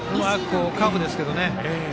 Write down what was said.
カーブですけどね。